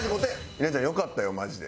稲ちゃん良かったよマジで。